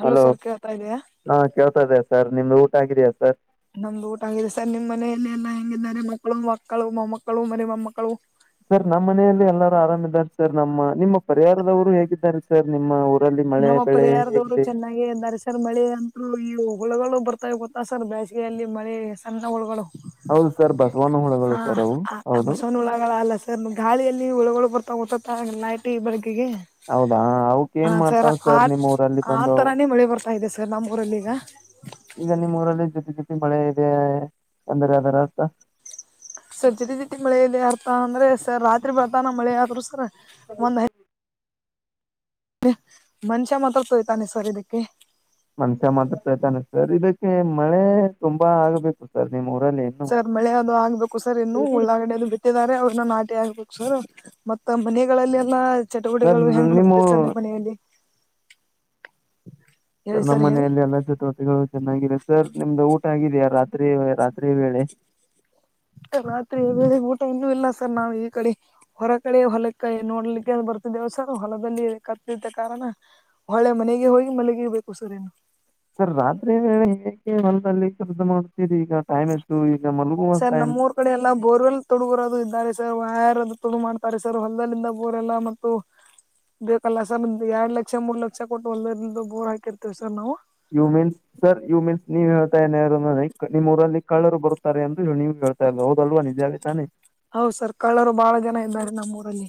Hello sir ಕೇಳ್ತಾ ಇದೆಯಾ ಹಾ ಕೇಳ್ತ ಇದೆ ಸರ್ ನಿಮ್ದು ಊಟ ಆಗಿದಿಯಾ ಸರ್ ನಮ್ದು ಊಟ ಆಗಿದೆ ಸರ್ ನಿಮ್ ಮನೆಯಲ್ಲಿ ಎಲ್ಲಾ ಹೆಂಗಿದ್ದಾರೆ ಮಕ್ಕಳು ಮಕ್ಕಳು ಮೊಮ್ಮಕ್ಕಳು ಮರಿ ಮೊಮ್ಮಕ್ಕಳು ಸರ್ ನಮ್ಮ್ ಮನೆಯಲ್ಲಿ ಎಲ್ಲಾರೂ ಆರಾಮ್ ಇದ್ದಾರೆ ಸರ್ ನಮ್ಮ ನಿಮ್ಮ ಪರಿವಾರದವರು ಹೇಗಿದ್ದಾರೆ ಸರ್ ನಿಮ್ಮ ಊ ರಲ್ಲಿ ಮಳೆ ಬೆಳೆ ಹೇಗೆ ಇದೆ ಹಾಗೆ ಇದಾರೆ ಸರ್ ಮಳೆ ಅಂತರು ಈ ಹುಳಗಳು ಬರ್ತಾವ ಗೊತ್ತ ಸರ್ ಬೇಸಿಗೆಯಲ್ಲಿ ಮಳೆ ಸಣ್ಣ ಹುಳಗಳು ಹೌದು ಸರ್ ಬಸವನ ಹುಳಗಳು ಹಾ ಸರ್ ಅವು ಹೌದು ಬಸವನ ಹುಳಗಳು ಅಲ್ಲ ಸರ್ ಗಾಳಿಯಲ್ಲಿ ಉಳಗಳು ಬರ್ತ ತಾ ಲೈಟಿ ಬೆಳಕಿಗೆ ಹೌದಾ ಹಾ ಏನ್ ಸರ್ ಮಾಡ್ತಾವ್ ಆ ನಿಮ್ ಊರಲ್ಲಿ ಆ ಬಂದವು ತರಾನೇ ಮಳೆ ಬರ್ತಾ ಇದೆ ಸರ್ ನಮ್ಮ ಊರಲ್ಲಿ ಈಗ ಈಗ ನಿಮ್ಮ್ ಊರಲ್ಲಿ ಜೊತಿ ಜೊತಿ ಮಳೆ ಇದೆ ಅಂದ್ರೆ ಅರ್ಥ ಸರ್ ಜಿಟಿ ಜಿಟಿ ಮಳೆಯಲ್ಲಿ ಅರ್ಥ ಅಂದ್ರೆ ಸರ್ ರಾತ್ರಿ ಬೆಳತನ ಮಳೆ ಆದ್ರು ಸರ್ ಒಂದ್ ಐ ಮನ್ಷ್ಯ ಮಾತ್ರ ತೂಯ್ತಾನೆ ಸರ್ ಇದಕ್ ಮನುಷ್ಯ ಮಾತ್ರ ತೂಯ್ಯುತ್ತಾನೆ ಸರ್ ಇದಕ್ಕೆ ಮಳೆ ತುಂಬಾ ಆಗ್ಬೇಕು ಸರ್ ನಿಮ್ಮ್ ಊರಲ್ಲಿ ಇನ್ನು ಸರ್ ಮಳೆ ಅದು ಆಗ್ಬೇಕು ಸರ್ ಇನ್ನು ಉಳ್ಳಾಗಡಿ ಬಿ [unintelligible] ಅವ್ರನ್ನ ನಾಟಿ ಹಾಕ್ಬೇಕು ಸರ್ ಮತ್ತ ಮನಿಗಳಲ್ಲಲ್ಲ ಸರ್ ಚಟುವಟೀಕೆಗಳು ಹೆಂಗ್ ನೀವು ನಡೀತೈತೆ ಸರ್ ನಿಮ್ಮ ಮನೆಯಲ್ಲಿ ಹೇಳಿ ಸರ್ ನಮ್ಮ ಹೇಳಿ ಮನೆಯಲ್ಲಿ ಎಲ್ಲಾ ಚಟುವಟಿಕೆಗಳು ಚೆನ್ನಾಗಿದೆ ಸರ್ ನಿಮ್ದ ಊಟ ಆಗಿದೆಯಾ ರಾತ್ರಿ ರಾತ್ರಿ ವೇಳೆ ರಾತ್ರಿ ಬೇರೆ ಊಟ ಇನ್ನೂ ಇಲ್ಲ ಸರ್ ನಾವ್ ಈ ಕಡೆ ಹೊರ ಕಡೆೆಯ ಹೊಲಕೇ ನೋಡ್ಲಿಕ್ಕೆ ಬರ್ತಿದ್ದೇವ ಸರ್ ಹೊಲದಲ್ಲಿ ಕತ್ತಿದ್ದ ಕಾರಣ ಹೊಳೆ ಮನೆಗೆ ಹೋಗಿ ಮಲಗಬೇಕು ಸರ್ ಇನ್ನು ಸರ್ ರಾತ್ರಿ ವೇಳೆ ಹೆಂಗೆ ಹೊಲದಲ್ಲಿ ಕೆಲಸ ಮಾಡಿಸ್ತೀರಿ ಈಗಾ ಟೈಮ್ ಎಷ್ಟು ಈಗ ಮಲಗುವ ಟೈಮ್ ಈ ಕಡೆ ಎಲ್ಲ ಬೋರ್ವೆಲ್ ತೊಡಗೋರದು ಇದ್ದಾರೆ ಸರ್ ವೈರ್ ಅದು ತೊಡು ಮಾಡ್ತಾರೆ ಸರ್ ಹೊಲ್ದದಲ್ಲಿಂದ ಬೋರ್ ಎಲ್ಲ ಮತ್ತು ಬೇಕಲ್ಲ ಸರ್ ನಮ್ದು ಎರಡ್ ಲಕ್ಷ ಮೂರು ಲಕ್ಷ ಕೊಟ್ಟು ಹೊಲದಳಿಂದ ಬೋರ್ ಹಾಕಿರ್ತೇವಿ ಸರ್ ನಾವು you means sir you means ನೀವ್ ಹೇಳ್ತಾನೇರಿ ನಿಮ್ಮು ಊರಲ್ಲಿ ಕಳ್ಳರು ಬರುತ್ತಾರೆ ಅಂದು ನೀವು ಹೇಳ್ ಸರ್ ಹೌದಲ್ವಾ ನಿಜಾನೇತಾನೆ ಹೌದು ಸರ್ ಕಳ್ಳರು ಬಹಳ ಜನ ಇದ್ದಾರೆ ನಮ್ಮ್ ಊರಲ್ಲಿ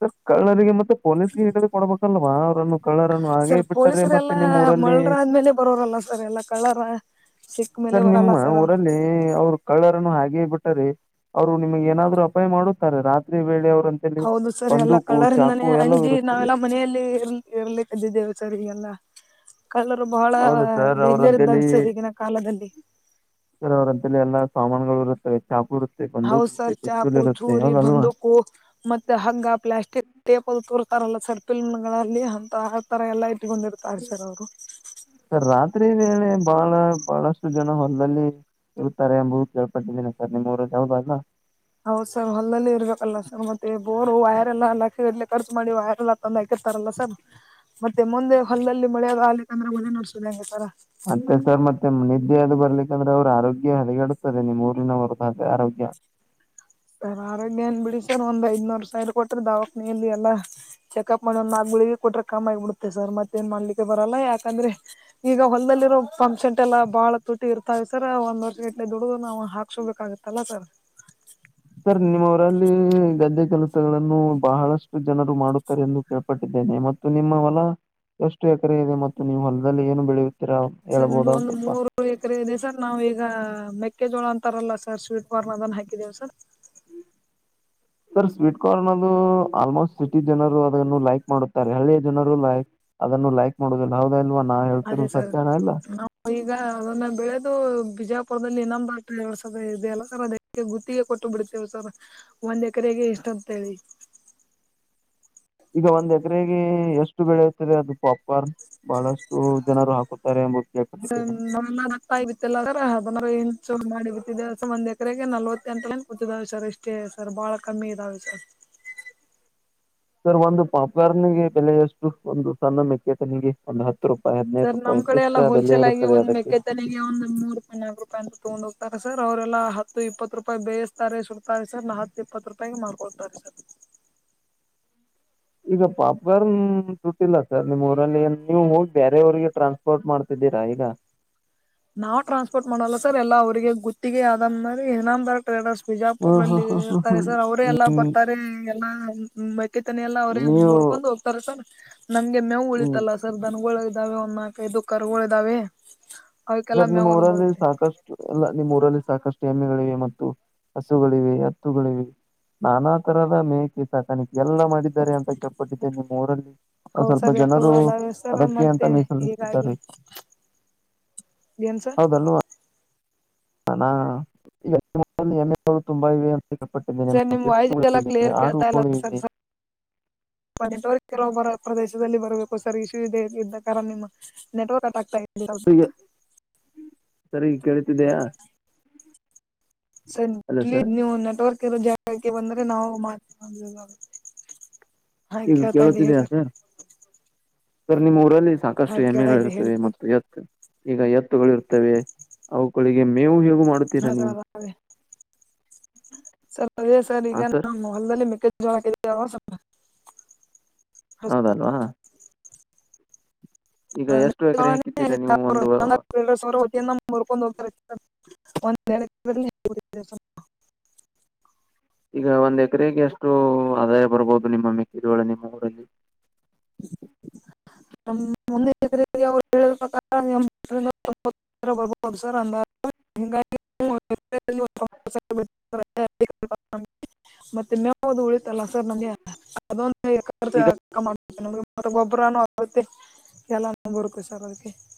ಸರ್ ಕಳ್ಳರಿಗೆ ಮತ್ತೆ ಪೊಲೀಸ್ಗೆ ಇಡುದು ಕೊಡ್ಬೇಕಲ್ವಾ ಅವ್ರನ್ನು ಕಳ್ಳರನ್ನು ಹಾಗೆ ಸರ್ ಬಿಟ್ಟಾರೆ ಮತ್ತೆ ಪೊಲೀಸರೆಲ್ಲಾ ನಿಮ್ಮ್ ಊರಲ್ಲಿ ಮಳ್ಳರ ಆದ್ಮೇಲೆ ಬರೋರಲ್ಲ ಸರ್ ಎಲ್ಲಾ ಕಳ್ಳರ ಸಿಕ್ ಮೇಲೆ ಸರ್ ಬರಲ್ಲ ನಿಮ್ಮ ಸರ್ ಊರಲ್ಲಿ ಅವರು ಕಳ್ಳರನ್ನು ಹಾಗೇ ಬಿಟ್ಟರೆ ಅವ್ರು ನಿಮಗೆ ಏನಾದ್ರು ಅಪಾಯ ಮಾಡುತ್ತಾರೆ ರಾತ್ರಿ ವೇಳೆ ಅವರಂತೆ ಹೌದು ಸರ್ ಎಲ್ಲಾ ಕಳ್ಳರಿಂದನೆ ಅಂಜಿ ಇರುತ್ತದೆ ನಾವು ಮನೆಯಲ್ಲಿ ಇ ಇರ್ಲಿಕದ್ದಿದ್ದು ದೇವು ಸರ್ ಇದೆಲ್ಲಾ ಕಳ್ಳರು ಬಹಳ ಹೌದು ಸರ್ ಡೇಂಜರ ಅವ್ರಂತೇಲಿ ಇದ್ದಾರೆ ಸರ್ ಈಗಿನ ಕಾಲದಲ್ಲಿ. ಸರ್ ಅವ್ರಂತಲ್ಲಿ ಎಲ್ಲ ಸಾಮಾನಗಳು ಇರುತ್ತವೆ ಚಾಕು ಇರು ಹೌ ಸರ್ ಚಾಕು ಚೂರಿ ಬಂದೂಕು ಮತ್ತ ಹಂಗ ಪ್ಲಾಸ್ಟಿಕ್ ಟೇಪ್ ಅದು ತುರ್ತಾರ್ ಅಲ್ಲಾ ಸರ್ ಫಿಲ್ಮ್ಗಲ್ಲಿ ಹಂತಾ ಆತರ ಎಲ್ಲಾ ಇಟ್ಕೊಂಡಿರ್ತರ್ ಸರ್ ಅವ್ರು. ಸರ್ ರಾತ್ರಿ ವೇಳೆ ಬಹಳ ಬಹಳಷ್ಟು ಜನ ಹೊಲ್ದಲ್ಲಿ ಇರ್ತಾರೆ ಎಂಬುದು ಕೇಳ್ಪಟ್ಟಿದಿನಿ ಸರ್ ನಿಮ್ಮೂರಲ್ಲಿ ಹೌದ ಸಾರ್? ಹೌದ್ ಸರ್ ಹೊಲ್ದಲ್ಲೇ ಇರ್ಬೇಕಲ್ಲ ಸರ್ ಮತ್ತೆ ಬೋರು ವೈರ್ ಎಲ್ಲಾ ಲಕ್ಷ ಗಟ್ಲೆ ಖರ್ಚು ಮಾಡಿ ವೈರ್ ಎಲ್ಲಾ ತಂದ ಹಾಕಿರ್ತಾರ್ ಅಲ್ಲಾ ಸರ್ ಮತ್ತೆ ಮುಂದೆ ಹೊಲ್ದಲ್ಲಿ ಮಳೆ ಅದು ಆಗ್ಲಿಕ್ ಅಂದ್ರ ಮನೆ ನಡ್ಸುದ ಹೆಂಗ್ ರಿ ಸಾರ್? ಮತ್ತೆ ಸರ್ ಮತ್ತ ನಿಮ್ಗ ನಿದ್ದಿ ಅದು ಬರ್ಲಿಕ್ಕಂದ್ರೆ ಅವ್ರ ಆರೋಗ್ಯ ಹದಗೆಡುತ್ತದ ರಿ ನಿಮ್ಮ್ ಊರಿನವರ್ದ ಆರೋಗ್ಯ. ಸರ್ ಆರೋಗ್ಯ ಏನ್ ಬಿಡಿ ಸರ್ ಒಂದ್ ಐದ್ನೂರು ಸಾವಿರ ಕೊಟ್ರ ದಾವಕ್ನಲಿ ಎಲ್ಲಾ ಚೆಕಪ್ ಮಾಡ ಒಂದ್ ನಾಲ್ಕ ಗುಳಗಿ ಕೊಟ್ರೆ ಕಮ್ಮ ಆಗ್ಬಿಡುತ್ತತೆ ಸರ್ ಮತ್ತೇ ಏನ್ ಮಾಡ್ಲಿಕ್ಕೆ ಬರಲ್ಲ ಯಾಕಂದ್ರೆ ಈಗ ಹೊಲ್ದಲ್ಲಿರೋ ಪಂಪ್ ಶಂಟ್ ಎಲ್ಲ ಬಾಳ ತುಟ್ಟಿ ಇರ್ತಾವೆ ಸರ ಒಂದ ವರ್ಷ ಗಟ್ಲೆ ದುಡುದು ನಾವ ಹಾಕ್ಸೋಬೇಕಾಗುತ್ತ ಅಲ್ಲ ಸರ್ ಸರ್ ನಿಮ್ಮ ಊರಲ್ಲಿ ಗದ್ದೆ ಕೆಲಸಗಳನ್ನು ಬಹಳಷ್ಟ ಜನರು ಮಾಡುತ್ತಾರೆ ಎಂದು ಕೇಳ್ಪಟ್ಟಿದ್ದೇನೆ ಮತ್ತು ನಿಮ್ಮ ಹೊಲ ಎಷ್ಟು ಎಕರೆ ಇದೆ ಮತ್ತು ನೀವು ಹೊಲದಲ್ಲಿ ಏನು ಬೆಳೆಯ ಸರ್ ನಮ್ದು ಒಂದ ಮೂರ ಮೂರ್ ಎಕ್ರೆ ಇದೆ ಸರ್ ನಾವೀಗ ಮೆಕ್ಕೆಜೋಳ ಅಂತಾರಲ್ಲ ಸರ್ ಸ್ವೀಟ್ ಕಾರ್ನ್ ಅದನ್ನ ಹಾಕಿದ್ದೇವಿ ಸರ್. ಸರ್ ಸ್ವೀಟ್ ಕಾರ್ನ್ ಅದೂ ಆಲ್ಮೋಸ್ಟ್ ಸಿಟಿ ಜನರು ಅದನ್ನು ಲೈಕ್ ಮಾಡುತ್ತಾರೆ ಹಳ್ಳಿಯ ಜನರು ಲೈಕ್ ಅದನ್ನು ಲೈಕ್ ಮಾಡುದೀಲ್ಲ ಹೌದಾ ಇಲ್ವಾ ನಾ ಅದೇ ಹೇಳ್ತಿರೋದ ಸರ್ ಸತ್ಯನಾ ಇಲ್ಲಾ. ನಾವು ಈಗ ಅದನ್ನ ಬೆಳೆದು ಬಿಜಾಪುರದಲ್ಲಿ ಇನ್ನೊಂದ [unintelligible] ಇದೆಯಲ್ಲ ಸರ್ ಅದೇ ಗುತ್ತಿಗೆ ಕೊಟ್ಟು ಬಿಡ್ತೇವ ಸರ್ ಒಂದ್ ಎಕರೆಗೆ ಇಷ್ಟ ಅಂತ ಹೇಳಿ. ಈಗ ಒಂದ್ ಎಕರೆಗೆ ಎಷ್ಟು ಬೆಳೆಯುತ್ತದೆ ಅದು ಪಾಪ್ ಕಾರ್ನ್? ಬಹಳಷ್ಟು ಜನರು ಹಾಕುತ್ತಾರೆ ಎಂಬುದು ಕೇಳ್ [inaudible] [unintelligible] ಒಂದ್ ಎಕರೆಗೆ ನಲವತ್ತೆಂಟು [unintelligible] ಛೇ ಸರ್ ಭಾಳ ಕಮ್ಮಿ ಇದ್ದಾವೆ ಸರ್. ಸರ್ ಒಂದ ಪಾಪ್ಕಾರ್ನೆಗೆ ಬೆಲೆ ಎಷ್ಟು ಒಂದು ಸಣ್ಣ ಮೆಕ್ಕೆತೆನೆಗೆ ಒಂದು ಹತ್ ರೂಪಾಯಿ ಹದಿನೈದು ಸರ್ ರೂಪಾಯಿ ನಮ್ ಕಡೆ ಎಲ್ಲ ಇಂತಿಷ್ಟು ಬೆಲೆ ಹೋಲ್ಸೇಲ್ ಆಗಿ ಇರುತ್ತದೆ ಒಂದ್ ಅದಕ್ಕೆ ಮೆಕ್ಕೆ ತೆನೆಗೆ ಒಂದ್ ನೂರ್ ಹನ್ನೆರಡು ರೂಪಾಯಿ ಅಂತ ತೋಗೊಂಡ ಹೋಗ್ತಾರೆ ಸರ್ ಅವರೆಲ್ಲ ಹತ್ತು ಇಪ್ಪತ್ತು ರೂಪಾಯಿಗೆ ಬೇಯಸ್ತಾರೆ ಸುಡ್ತಾರೆ ಸರ್ ನ ಹತ್ತ ಇಪ್ಪತ್ತ ರೂಪಾಯಿಗೆ ಮಾರ್ಕೋತಾರ್ ಸರ್. ಈಗ ಪಾಪ್ ಕಾರ್ನ್ ದುಡ್ಡಿಲ್ ಸಾರ್ ನಿಮ್ಮ್ ಊರಲ್ಲಿ ನೀವು ಹೋಗಿ ಬ್ಯಾರೆ ಊರಿಗೆ ಟ್ರಾನ್ಸ್ ಪೋರ್ಟ್ ಮಾಡ್ತಿದೀರಾ ಈಗ? ನಾವ್ ಟ್ರಾನ್ಸ್ಪೋರ್ಟ್ ಮಾಡೋಲ್ಲ ಸರ್ ಎಲ್ಲ ಅವ್ರಿಗೆ ಗುತ್ತಿಗೆ ಆಧಾರ್ ಮ್ಯಾಲ ಟ್ರೇಡರ್ಸ್ ಹಾಂ ಹಾಂ ಬಿಜಾಪುರ್ನಲ್ಲಿ ಹಾಂ ಹಾಂ ಇರ್ತಾರೆ ಹಾಂ ಸರ್ ಅವರೇ ಎಲ್ಲಾ ಬರ್ತಾರೆ ಎಲ್ಲಾ ಮೇ ಅಲ್ಲಿತನ ಎಲ್ಲಾ ಅವ್ರೇ ನೀವು ಮುರ್ಕೊಂಡ್ ಹೋಗ್ತಾರ ಸರ್ ನಂಗೆ ಮೇವ ಹ್ಞೂ ಉಳಿತಲ್ಲ ಸರ್ ದನ್ಗೊಳ್ ಇದಾವೆ ಒಂದ ನಾಲ್ಕೈದು ಕರ್ಗಳ ಇದ್ದಾವೆ. ಸರ್ ನಿಮ್ಮ್ ಊರಲ್ಲಿ ಸಾಕಷ್ಟ ಇಲ್ಲ ನಿಮ್ಮ ಊರಲ್ಲಿ ಸಾಕಷ್ಟು ಎಮ್ಮೆಗಳಿವೆ ಮತ್ತು ಹಸುಗಳಿವೆ ಎತ್ತುಗಳಿವೆ ನಾನಾ ತರದ ಮೇಕೆ ಸಾಕಾಣಿಕ ಎಲ್ಲಾ ಮಾಡಿದ್ದಾರೆ ಅಂತ ಕೇಳ್ಪಟ್ಟಿದ್ದೆನೆ ನಿಮ್ಮ್ ಊರಲ್ಲಿ. ಒನ್ ಹೌದ್ ಸ್ವಲ್ಪ ಸರ್ ಜನರು ಎತ್ತುಗಳದಾವೆ ಸರ್ ಅದಕ್ಕೆ ಅಂತ ಮತ್ತೆ ಮೀಸಲಿ ಹೀಗಾಗಿ ಇರ್ತಿದ್ದಾರೆ. ಏನ್ ಸರ್ [unintelligible] ಹಾನ ಈಗ ತುಂಬಾ ಇವೆ [unintelligible] ಟ್ಟ [unintelligible] ಸರ್ ನಿಮ್ ವಾಯ್ಸಿಎಲ್ಲ ಕ್ಲಿಯರ್ ಕೇಳ್ತಾ ಇಲ್ಲದ ಇವೆ ಸರ್- ಮವ ಕೆರ ಬರ ಪ್ರದೇಶದಲ್ಲಿ ಬರ್ಬೇಕು ಸರಿ ಇಶೂ ಇದದೆ ಇದ್ದ ಕಾರಣ ನಿಮ್ಮ [unintelligible] ನೆಟವರ್ಕ ಅಟ ತ [unintelligible] [unintelligible] ಸ ಸರಿಯಾಗಿ ಕೇಳತಿದ್ದೀಯಾ ಅಲ್ಲ ಸರಿ ಇ ಸರ್ ನೀವು ನೆಟ್ವರ್ಕ್ ಇರೋ ಜಾಗಕ್ಕೆ ಬಂದ್ರೆ ನಾವು ಮಾತೆ ಈಗ ಕೇಳತಿದಿಯಾ ಸರ್- ಸರ್ ನಿಮ್ಮ ಊರಲ್ಲಿ ಹಾ ಸಾಕಷ್ಟು ಕೇಳ್ತಾ ಇದೆ ಹೇಳಿ ಎಮ್ಮೆಗಳಿರ್ತವೆ ಸರ್ ಮತ್ತು ಎತ್ತು- ಈಗ ಎತ್ತುಗಳು ಇರ್ತವೆ ಅವುಗಳಿಗೆ ಮೇವು-ಗಿವು ಹೇಗ ಮಾಡುತ್ತ ಹ ಅದೇ ಸರಿ ಹಾ ಈಗ ಸರ್ ನ [inaudible] ಹಲ್ದಲ್ಲಿ ಮ ಜಳ [unintelligible] ಹೌದಲ್ವಾ, ಹ ಈಗ ಎಷ್ಟು ಎಕರೆ ಹಾಕಿದ್ದೀರಾ ನೀವು ಒಂದು [unintelligible] ಸರ ಹೊತಿಯ ಮುರ್ಕೊಂಡ್ ಹೋಗ್ತಾರೆ [unintelligible] ಈಗ ಒಂದ್ ಎಕರೆಗೆ ಎಷ್ಟು ಆದಾಯ ಬರ್ಬಹುದು ನಿಮ್ಮ ಮೆಕ್ಕೆಜೋಳ ನಿಮ್ಮ ಊರಲ್ಲಿ. ನ ಮುಂದೆ ಎರೆ ಅವ್ರು ಹೇಳ ಪ್ರಕಾರ [unintelligible] ಸರ್ ಅಂದ [unintelligible] ಮತ್ತೆ ಮೇವದು ಉಳಿತಲ್ಲ ಸರ್ ನಮಗೆ [unintelligible] ಅದ್ ಈಗ ಮ ಗೊಬ್ಬರ [unintelligible] ಮತ್ತೆ ಎಲ್ಲ ಬರ್ಕು ಸರ್ ಅದಕ್ಕೆ [unintelligible]